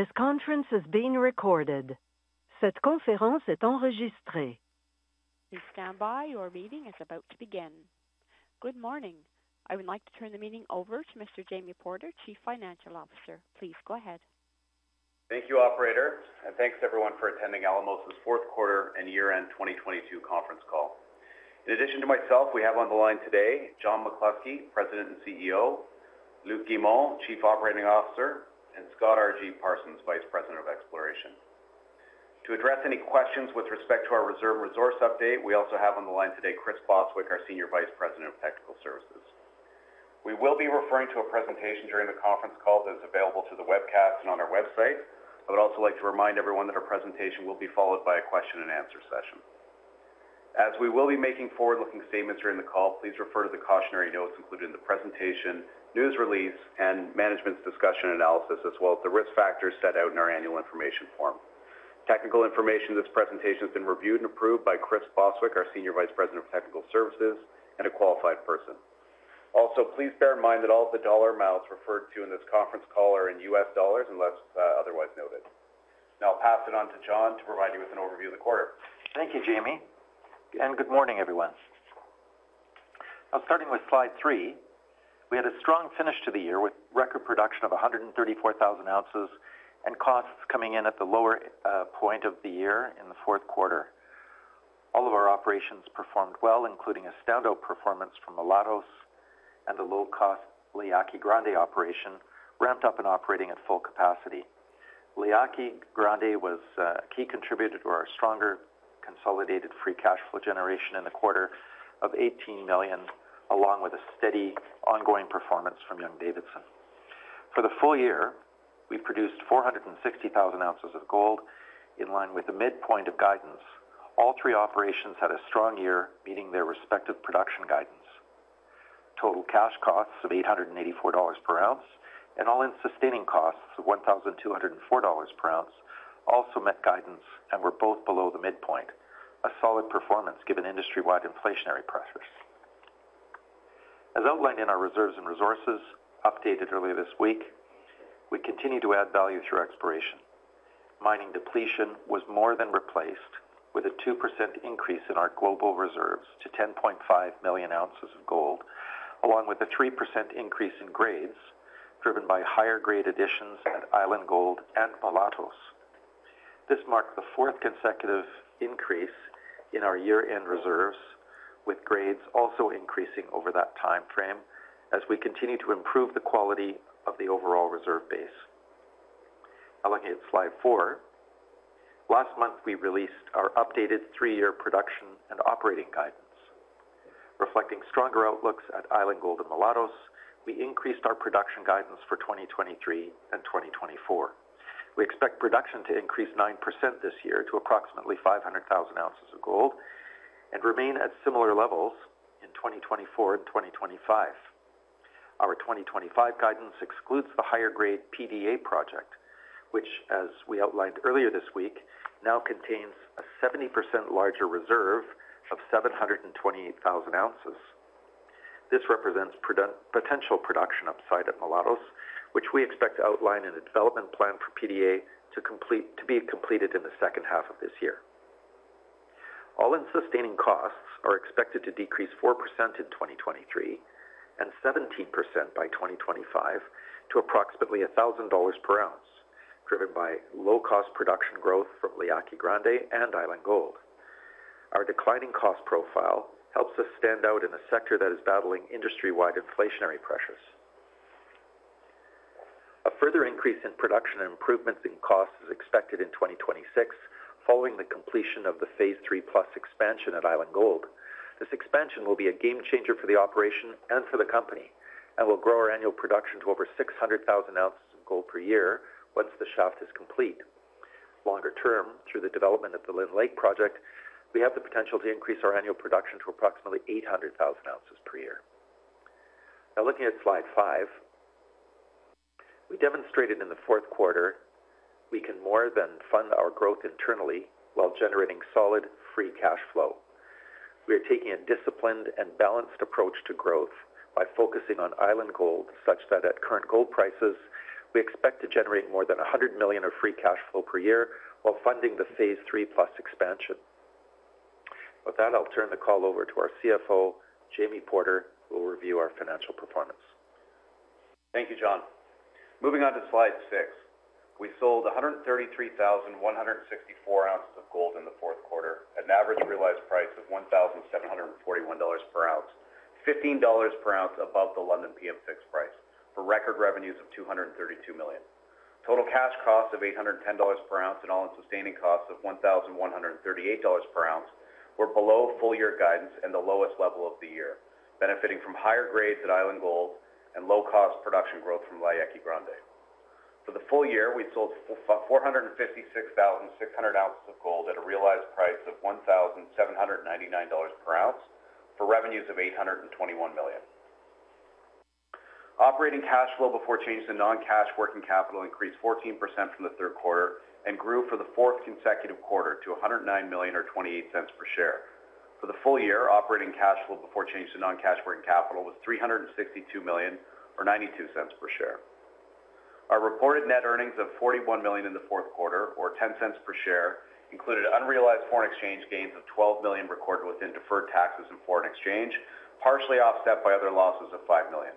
Good morning. I would like to turn the meeting over to Mr. Jamie Porter, Chief Financial Officer. Please go ahead. Thank you, operator, and thanks everyone for attending Alamos' Fourth Quarter and Year-End 2022 Conference Call. In addition to myself, we have on the line today John McCluskey, President and CEO, Luc Guimond, Chief Operating Officer, and Scott R.G. Parsons, Vice President of Exploration. To address any questions with respect to our reserve resource update, we also have on the line today Chris Bostwick, our Senior Vice President, Technical Services. We will be referring to a presentation during the conference call that is available to the webcast and on our website. I would also like to remind everyone that our presentation will be followed by a question and answer session. We will be making forward-looking statements during the call, please refer to the cautionary notes included in the presentation, news release and management's discussion analysis, as well as the risk factors set out in our annual information form. Technical information of this presentation has been reviewed and approved by Chris Bostwick, our Senior Vice President of Technical Services and a qualified person. Please bear in mind that all of the dollar amounts referred to in this conference call are in U.S. dollars unless otherwise noted. I'll pass it on to John to provide you with an overview of the quarter. Thank you, Jamie. Good morning, everyone. Starting with slide three, we had a strong finish to the year with record production of 134,000 oz and costs coming in at the lower point of the year in the fourth quarter. All of our operations performed well, including a standout performance from Mulatos and the low-cost La Yaqui Grande operation ramped up and operating at full capacity. La Yaqui Grande was a key contributor to our stronger consolidated free cash flow generation in the quarter of $18 million, along with a steady ongoing performance from Young-Davidson. For the full year, we produced 460,000 oz of gold in line with the midpoint of guidance. All three operations had a strong year, meeting their respective production guidance. Total cash costs of $884 per oz and all-in sustaining costs of $1,204 per oz also met guidance and were both below the midpoint, a solid performance given industry-wide inflationary pressures. As outlined in our reserves and resources updated earlier this week, we continue to add value through exploration. Mining depletion was more than replaced with a 2% increase in our global reserves to 10.5 million oz of gold, along with a 3% increase in grades driven by higher grade additions at Island Gold and Mulatos. This marked the fourth consecutive increase in our year-end reserves, with grades also increasing over that time frame as we continue to improve the quality of the overall reserve base. Looking at slide four. Last month, we released our updated three-year production and operating guidance. Reflecting stronger outlooks at Island Gold and Mulatos, we increased our production guidance for 2023 and 2024. We expect production to increase 9% this year to approximately 500,000 oz of gold and remain at similar levels in 2024 and 2025. Our 2025 guidance excludes the higher grade PDA project, which, as we outlined earlier this week, now contains a 70% larger reserve of 728,000 oz. This represents potential production upside at Mulatos, which we expect to outline in a development plan for PDA to be completed in the second half of this year. All-in sustaining costs are expected to decrease 4% in 2023 and 17% by 2025 to approximately $1,000 per oz, driven by low cost production growth from La Yaqui Grande and Island Gold. Our declining cost profile helps us stand out in a sector that is battling industry-wide inflationary pressures. A further increase in production and improvements in costs is expected in 2026 following the completion of the Phase 3+ expansion at Island Gold. This expansion will be a game changer for the operation and for the company and will grow our annual production to over 600,000 oz of gold per year once the shaft is complete. Longer term, through the development of the Lynn Lake project, we have the potential to increase our annual production to approximately 800,000 oz per year. Looking at slide five. We demonstrated in the fourth quarter we can more than fund our growth internally while generating solid free cash flow. We are taking a disciplined and balanced approach to growth by focusing on Island Gold such that at current gold prices, we expect to generate more than $100 million of free cash flow per year while funding the Phase 3+ expansion. With that, I'll turn the call over to our CFO, Jamie Porter, who will review our financial performance. Thank you, John. Moving on to slide six. We sold 133,164 oz of gold in the fourth quarter at an average realized price of $1,741 per oz, $15 per oz above the London PM fix price for record revenues of $232 million. Total cash costs of $810 per oz and all-in sustaining costs of $1,138 per oz were below full year guidance and the lowest level of the year, benefiting from higher grades at Island Gold and low-cost production growth from La Yaqui Grande. For the full year, we sold 456,600 oz of gold at a realized price of $1,799 per oz for revenues of $821 million. Operating cash flow before changes to non-cash working capital increased 14% from the third quarter and grew for the fourth consecutive quarter to $109 million or $0.28 per share. For the full year, operating cash flow before change to non-cash working capital was $362 million or $0.92 per share. Our reported net earnings of $41 million in the fourth quarter, or $0.10 per share, included unrealized foreign exchange gains of $12 million recorded within deferred taxes and foreign exchange, partially offset by other losses of $5 million.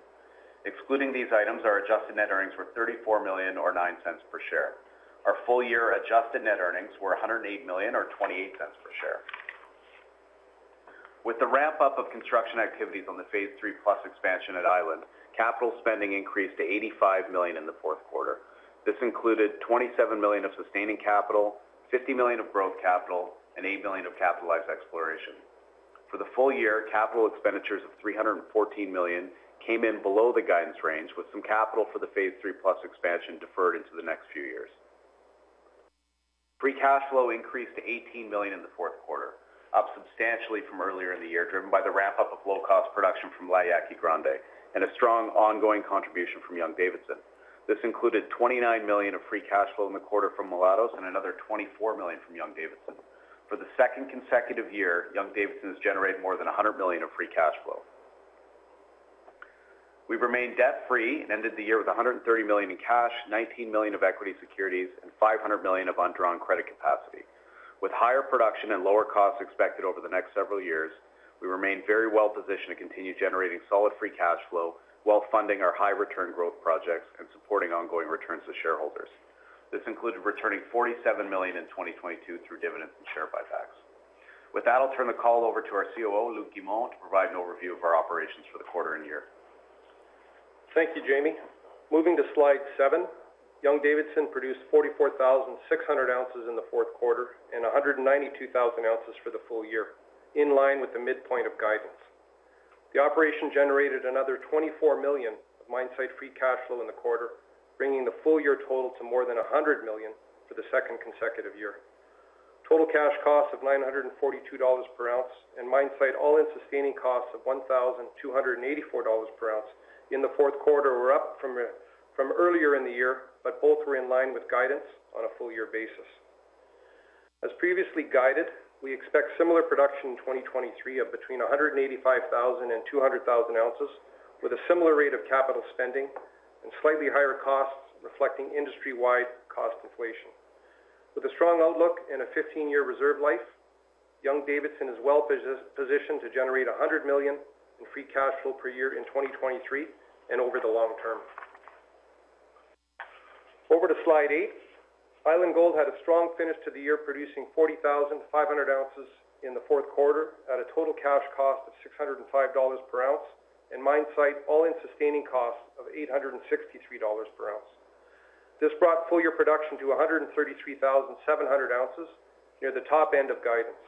Excluding these items, our adjusted net earnings were $34 million or $0.09 per share. Our full-year adjusted net earnings were $108 million or $0.28 per share. With the ramp-up of construction activities on the Phase 3+ expansion at Island, capital spending increased to $85 million in the fourth quarter. This included $27 million of sustaining capital, $50 million of growth capital, and $8 million of capitalized exploration. For the full year, capital expenditures of $314 million came in below the guidance range, with some capital for the Phase 3+ expansion deferred into the next few years. Free cash flow increased to $18 million in the fourth quarter, up substantially from earlier in the year, driven by the ramp-up of low-cost production from La Yaqui Grande and a strong ongoing contribution from Young-Davidson. This included $29 million of free cash flow in the quarter from Mulatos and another $24 million from Young-Davidson. For the second consecutive year, Young-Davidson has generated more than $100 million of free cash flow. We've remained debt-free and ended the year with $130 million in cash, $19 million of equity securities, and $500 million of undrawn credit capacity. With higher production and lower costs expected over the next several years, we remain very well-positioned to continue generating solid free cash flow while funding our high return growth projects and supporting ongoing returns to shareholders. This included returning $47 million in 2022 through dividends and share buybacks. With that, I'll turn the call over to our COO, Luc Guimond, to provide an overview of our operations for the quarter and year. Thank you, Jamie. Moving to slide seven, Young-Davidson produced 44,600 oz in the fourth quarter and 192,000 oz for the full year, in line with the midpoint of guidance. The operation generated another $24 million of mine site free cash flow in the quarter, bringing the full-year total to more than $100 million for the second consecutive year. Total cash costs of $942 per oz and mine site all-in sustaining costs of $1,284 per oz in the fourth quarter were up from earlier in the year, but both were in line with guidance on a full year basis. As previously guided, we expect similar production in 2023 of between 185,000 oz and 200,000 oz, with a similar rate of capital spending and slightly higher costs reflecting industry-wide cost inflation. With a strong outlook and a 15-year reserve life, Young-Davidson is well-positioned to generate $100 million in free cash flow per year in 2023 and over the long term. Over to slide eight. Island Gold had a strong finish to the year, producing 40,500 oz in the fourth quarter at a total cash cost of $605 per oz and mine site all-in sustaining costs of $863 per oz. This brought full-year production to 133,700 oz near the top end of guidance.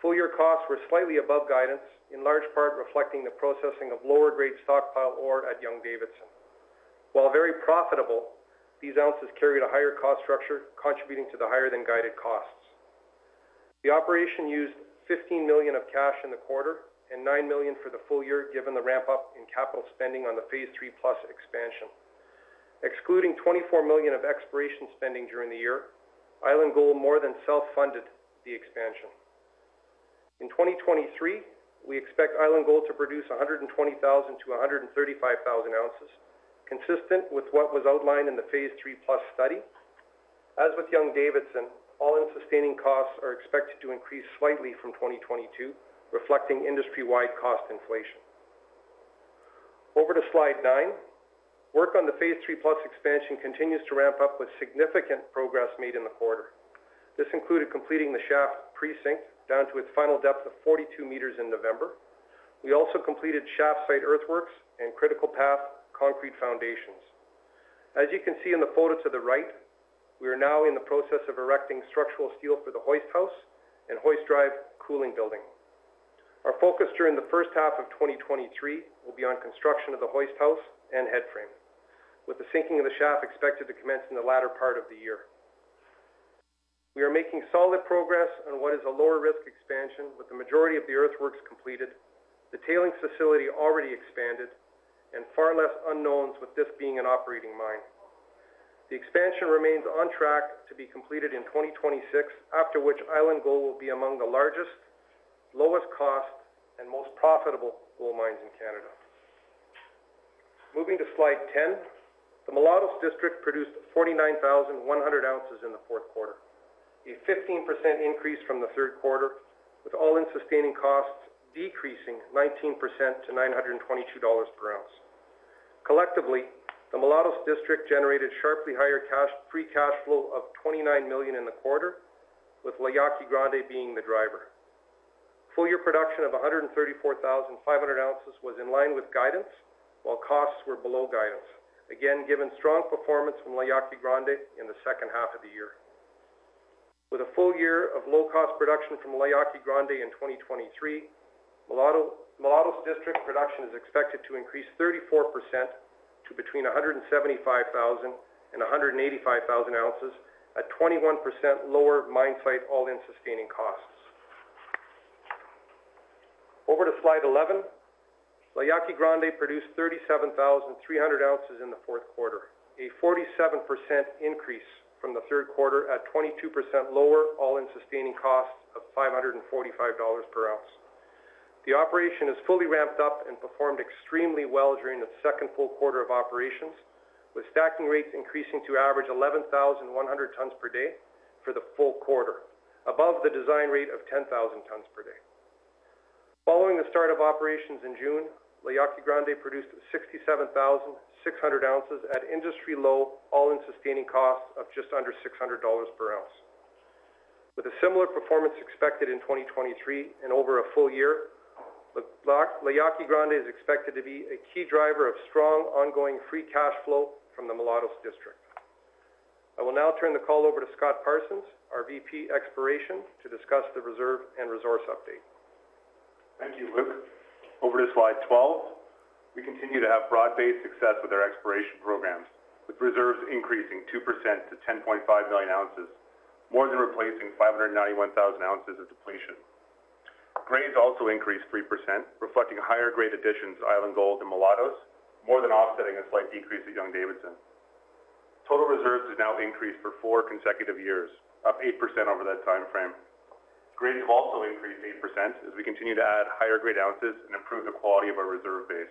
Full-year costs were slightly above guidance, in large part reflecting the processing of lower-grade stockpile ore at Young-Davidson. While very profitable, these ounces carried a higher cost structure contributing to the higher than guided costs. The operation used $15 million of cash in the quarter and $9 million for the full year, given the ramp up in capital spending on the Phase 3+ expansion. Excluding $24 million of exploration spending during the year, Island Gold more than self-funded the expansion. In 2023, we expect Island Gold to produce 120,000 oz-135,000 oz, consistent with what was outlined in the Phase 3+ study. As with Young-Davidson, all-in sustaining costs are expected to increase slightly from 2022, reflecting industry-wide cost inflation. Over to slide nine. Work on the Phase 3+ expansion continues to ramp up with significant progress made in the quarter. This included completing the shaft precinct down to its final depth of 42 m in November. We also completed shaft site earthworks and critical path concrete foundations. As you can see in the photo to the right, we are now in the process of erecting structural steel for the hoist house and hoist drive cooling building. Our focus during the first half of 2023 will be on construction of the hoist house and headframe, with the sinking of the shaft expected to commence in the latter part of the year. We are making solid progress on what is a lower risk expansion with the majority of the earthworks completed, the tailings facility already expanded, and far less unknowns with this being an operating mine. The expansion remains on track to be completed in 2026, after which Island Gold will be among the largest, lowest cost, and most profitable gold mines in Canada. Moving to slide 10. The Mulatos district produced 49,100 oz in the fourth quarter, a 15% increase from the third quarter, with all-in sustaining costs decreasing 19% to $922 per oz. Collectively, the Mulatos district generated sharply higher free cash flow of $29 million in the quarter, with La Yaqui Grande being the driver. Full-year production of 134,500 oz was in line with guidance, while costs were below guidance. Again, given strong performance from La Yaqui Grande in the second half of the year. With a full year of low-cost production from La Yaqui Grande in 2023, Mulatos district production is expected to increase 34% to between 175,000 oz and 185,000 oz at 21% lower mine site all-in sustaining costs. Over to slide 11. La Yaqui Grande produced 37,300 oz in the fourth quarter, a 47% increase from the third quarter at 22% lower, all-in sustaining costs of $545 per oz. The operation is fully ramped up and performed extremely well during the second full quarter of operations, with stacking rates increasing to average 11,100 tonnes per day for the full quarter, above the design rate of 10,000 tonnes per day. Following the start of operations in June, La Yaqui Grande produced 67,600 oz at industry low, all-in sustaining costs of just under $600 per oz. With a similar performance expected in 2023 and over a full year, La Yaqui Grande is expected to be a key driver of strong ongoing free cash flow from the Mulatos district. I will now turn the call over to Scott Parsons, our VP, Exploration, to discuss the reserve and resource update. Thank you, Luc. Over to slide 12. We continue to have broad-based success with our exploration programs, with reserves increasing 2% to 10.5 million oz, more than replacing 591,000 oz of depletion. Grades also increased 3%, reflecting higher grade additions to Island Gold and Mulatos, more than offsetting a slight decrease at Young-Davidson. Total reserves have now increased for four consecutive years, up 8% over that timeframe. Grades have also increased 8% as we continue to add higher grade ounces and improve the quality of our reserve base.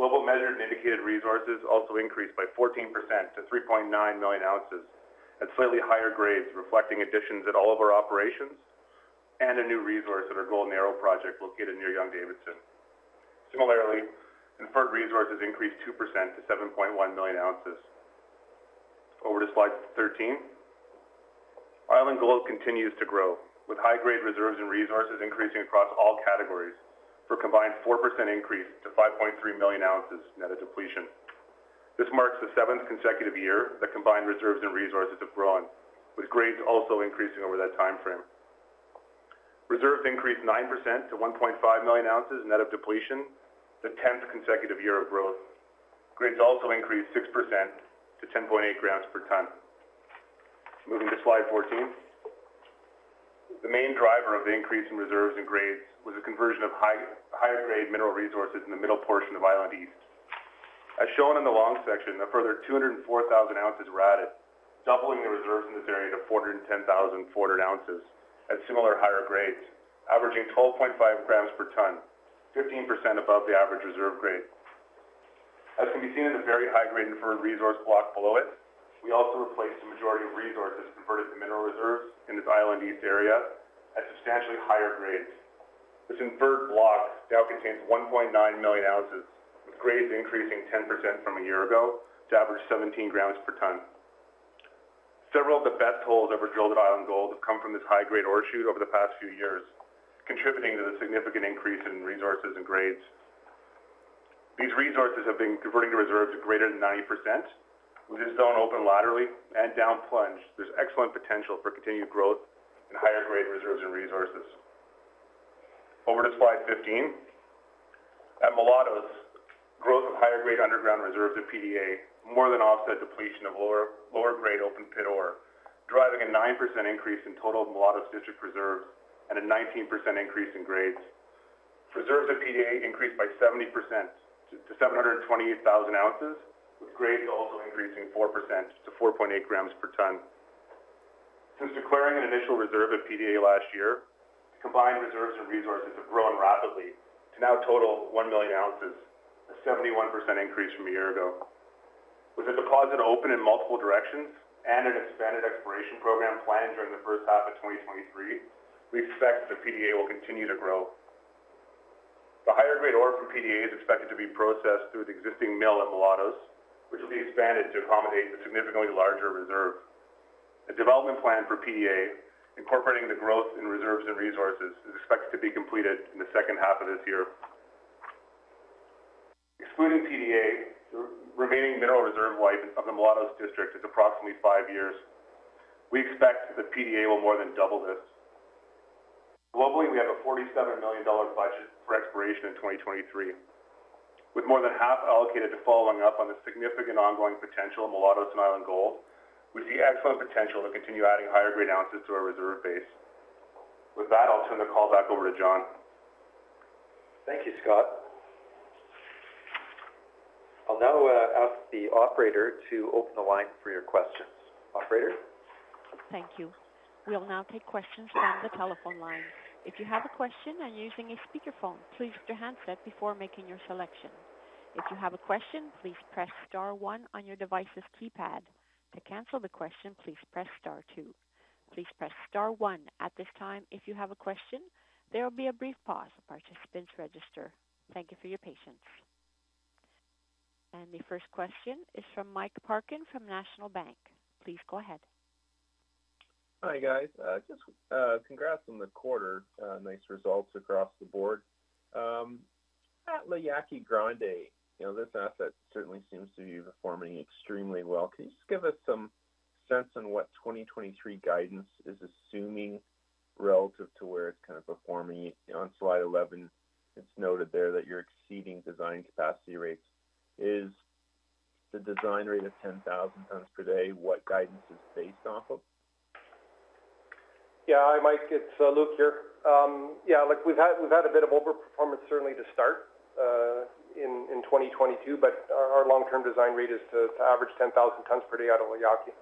Global measured and indicated resources also increased by 14% to 3.9 million oz at slightly higher grades, reflecting additions at all of our operations and a new resource at our Golden Arrow project located near Young-Davidson. Similarly, inferred resources increased 2% to 7.1 million oz. Over to slide 13. Island Gold continues to grow with high grade reserves and resources increasing across all categories for a combined 4% increase to 5.3 million oz net of depletion. This marks the seventh consecutive year that combined reserves and resources have grown, with grades also increasing over that timeframe. Reserves increased 9% to 1.5 million oz net of depletion, the 10th consecutive year of growth. Grades also increased 6% to 10.8 g/t. Moving to slide 14. The main driver of the increase in reserves and grades was a conversion of high-higher grade mineral resources in the middle portion of Island East. As shown in the long section, a further 204,000 oz were added, doubling the reserves in this area to 410,400 oz at similar higher grades, averaging 12.5 g/t, 15% above the average reserve grade. As can be seen in the very high-grade inferred resource block below it, we also replaced the majority of resources converted to mineral reserves in this Island East area at substantially higher grades. This inferred block now contains 1.9 million oz, with grades increasing 10% from a year ago to average 17 g/t. Several of the best holes ever drilled at Island Gold have come from this high-grade ore shoot over the past few years, contributing to the significant increase in resources and grades. These resources have been converting to reserves of greater than 90%. With this zone open laterally and down plunge, there's excellent potential for continued growth in higher grade reserves and resources. Over to slide 15. At Mulatos, growth of higher grade underground reserves at PDA more than offset depletion of lower grade open pit ore, driving a 9% increase in total Mulatos district reserves and a 19% increase in grades. Reserves at PDA increased by 70% to 728,000 oz, with grades also increasing 4% to 4.8 g/t. Since declaring an initial reserve at PDA last year, combined reserves and resources have grown rapidly to now total 1 million oz, a 71% increase from a year ago. With the deposit open in multiple directions and an expanded exploration program planned during the first half of 2023, we expect the PDA will continue to grow. The higher-grade ore from PDA is expected to be processed through the existing mill at Mulatos, which will be expanded to accommodate the significantly larger reserve. A development plan for PDA incorporating the growth in reserves and resources is expected to be completed in the second half of this year. Excluding PDA, the remaining mineral reserve life of the Mulatos district is approximately five years. We expect that the PDA will more than double this. Globally, we have a $47 million budget for exploration in 2023, with more than half allocated to following up on the significant ongoing potential of Mulatos and Island Gold, with the excellent potential to continue adding higher grade ounces to our reserve base. With that, I'll turn the call back over to John. Thank you, Scott. I'll now ask the operator to open the line for your questions. Operator? Thank you. We'll now take questions on the telephone line. If you have a question and you're using a speakerphone, please mute your handset before making your selection. If you have a question, please press star one on your device's keypad. To cancel the question, please press star two. Please press star one at this time if you have a question. There will be a brief pause while participants register. Thank you for your patience. The first question is from Mike Parkin from National Bank. Please go ahead. Hi, guys. Just congrats on the quarter. nice results across the board. At La Yaqui Grande, you know, this asset certainly seems to be performing extremely well. Can you just give us some sense on what 2023 guidance is assuming relative to where it's kind of performing? On slide 11, it's noted there that you're exceeding design capacity rates. Is the design rate of 10,000 tons per day, what guidance is based off of? Hi Mike, it's Luc here. We've had a bit of over-performance certainly to start in 2022, but our long-term design rate is to average 10,000 tons per day out of La Yaqui.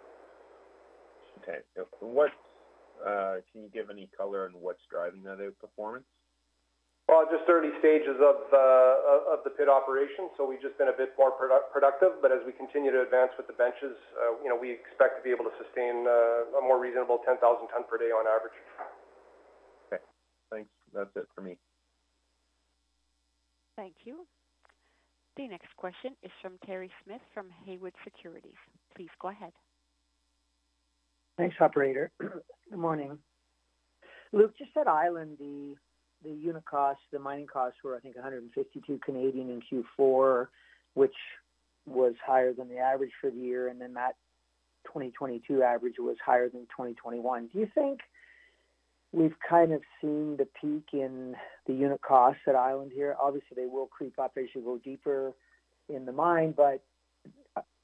Okay. Yep. Can you give any color on what's driving the other performance? Just early stages of the pit operation, so we've just been a bit more productive. As we continue to advance with the benches, you know, we expect to be able to sustain a more reasonable 10,000 tons per day on average. Okay, thanks. That's it for me. Thank you. The next question is from Kerry Smith from Haywood Securities. Please go ahead. Thanks, operator. Good morning. Luc just said Island, the unit costs, the mining costs were, I think, 152 in Q4, which was higher than the average for the year, and then that 2022 average was higher than 2021. Do you think we've kind of seen the peak in the unit costs at Island here? Obviously, they will creep up as you go deeper in the mine, but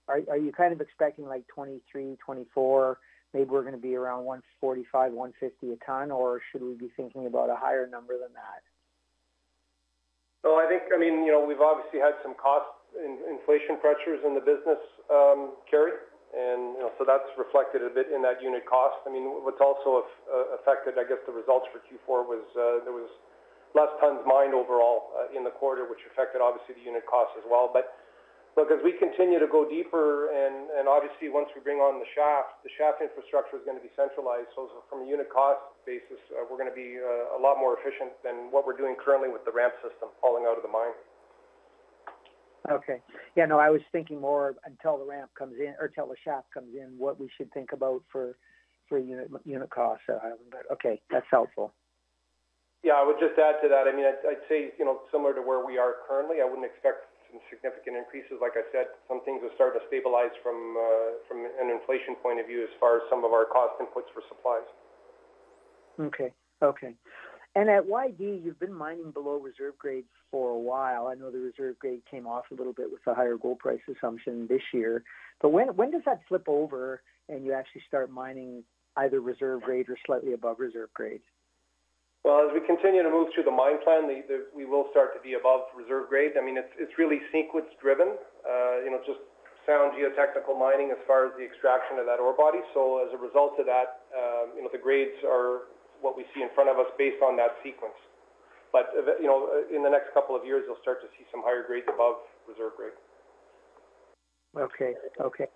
are you kind of expecting like 2023, 2024, maybe we're gonna be around 145, 150 a ton, or should we be thinking about a higher number than that? I think, I mean, you know, we've obviously had some cost in-inflation pressures in the business, Kerry. You know, that's reflected a bit in that unit cost. I mean, what's also affected, I guess, the results for Q4 was there was less tons mined overall in the quarter which affected obviously the unit cost as well. Look, as we continue to go deeper and obviously once we bring on the shaft, the shaft infrastructure is gonna be centralized. From a unit cost basis, we're gonna be a lot more efficient than what we're doing currently with the ramp system falling out of the mine. Okay. Yeah, no, I was thinking more until the ramp comes in or until the shaft comes in, what we should think about for unit cost at Island. Okay, that's helpful. Yeah, I would just add to that. I mean, I'd say, you know, similar to where we are currently, I wouldn't expect some significant increases. Like I said, some things have started to stabilize from an inflation point of view as far as some of our cost inputs for supplies. Okay. Okay. At YD, you've been mining below reserve grades for a while. I know the reserve grade came off a little bit with the higher gold price assumption this year. When does that flip over, and you actually start mining either reserve grade or slightly above reserve grades? Well, as we continue to move through the mine plan, we will start to be above reserve grades. I mean, it's really sequence driven. You know, just sound geotechnical mining as far as the extraction of that ore body. As a result of that, you know, the grades are what we see in front of us based on that sequence. The, you know, in the next couple of years, you'll start to see some higher grades above reserve grade. Okay. Okay.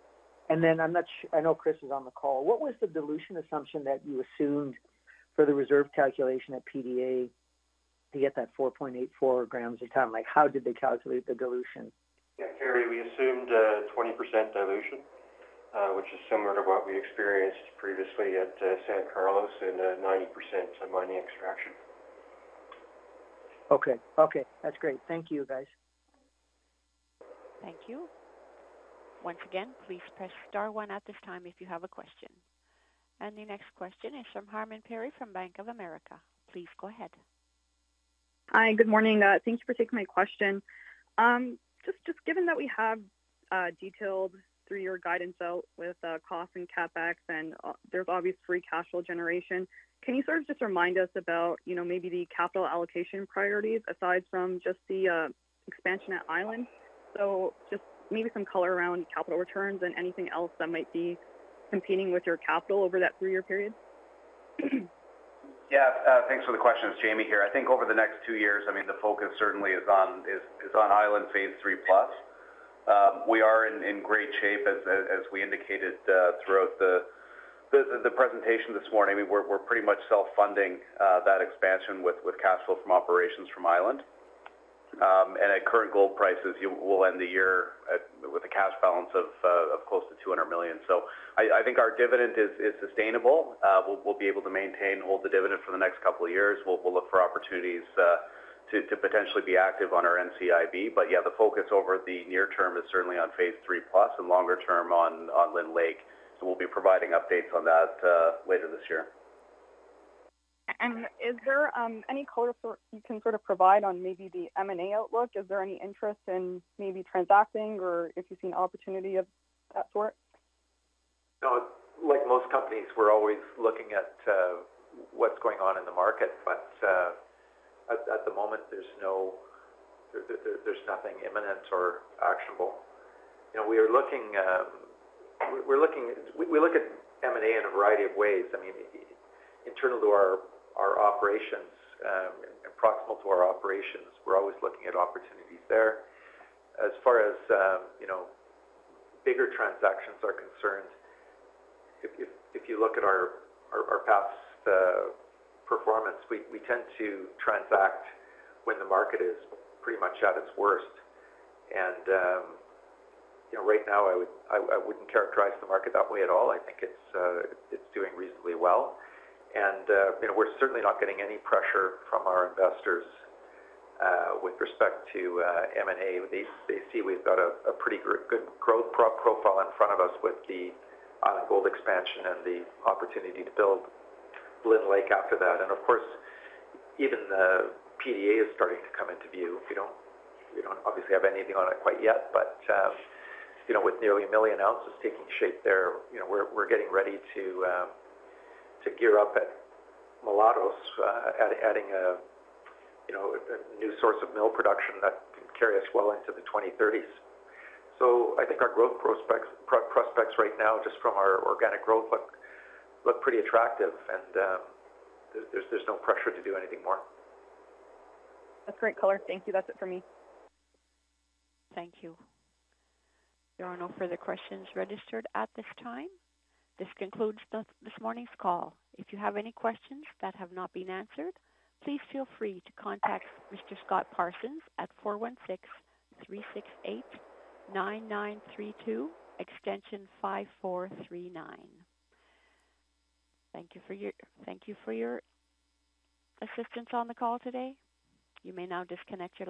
I know Chris is on the call. What was the dilution assumption that you assumed for the reserve calculation at PDA to get that 4.84 g/t? Like, how did they calculate the dilution? Yeah, Kerry, we assumed 20% dilution, which is similar to what we experienced previously at San Carlos and 90% mining extraction Okay. Okay, that's great. Thank you, guys. Thank you. Once again, please press star one at this time if you have a question. The next question is from Harmen Puri from Bank of America. Please go ahead. Hi, good morning. Thank you for taking my question. Just given that we have detailed through your guidance out with cost and CapEx, and there's obviously free cash flow generation, can you sort of just remind us about, you know, maybe the capital allocation priorities aside from just the expansion at Island? Just maybe some color around capital returns and anything else that might be competing with your capital over that three-year period. Yeah. Thanks for the question. It's Jamie here. I think over the next two years, I mean, the focus certainly is on Island Phase 3+. We are in great shape as we indicated throughout the presentation this morning. We're pretty much self-funding that expansion with capital from operations from Island. At current gold prices, we'll end the year with a cash balance of close to $200 million. I think our dividend is sustainable. We'll be able to maintain, hold the dividend for the next couple of years. We'll look for opportunities to potentially be active on our NCIB. Yeah, the focus over the near term is certainly on Phase 3+ and longer term on Lynn Lake. We'll be providing updates on that, later this year. Is there any color you can sort of provide on maybe the M&A outlook? Is there any interest in maybe transacting or if you've seen opportunity of that sort? No. Like most companies, we're always looking at what's going on in the market. At the moment, there's nothing imminent or actionable. You know, we are looking, we're looking, we look at M&A in a variety of ways. I mean, internal to our operations, and proximal to our operations, we're always looking at opportunities there. As far as, you know, bigger transactions are concerned, if you look at our past performance, we tend to transact when the market is pretty much at its worst. You know, right now, I wouldn't characterize the market that way at all. I think it's doing reasonably well. You know, we're certainly not getting any pressure from our investors with respect to M&A. They see we've got a pretty good growth profile in front of us with the Island Gold expansion and the opportunity to build Lynn Lake after that. Of course, even the PDA is starting to come into view. We don't obviously have anything on it quite yet, but, you know, with nearly 1 million oz taking shape there, you know, we're getting ready to gear up at Mulatos, adding a, you know, a new source of mill production that can carry us well into the 2030s. I think our growth prospects right now, just from our organic growth look pretty attractive, and there's no pressure to do anything more. That's great color. Thank you. That's it for me. Thank you. There are no further questions registered at this time. This concludes this morning's call. If you have any questions that have not been answered, please feel free to contact Mr. Scott Parsons at 416-368-9932, extension 5439. Thank you for your assistance on the call today. You may now disconnect.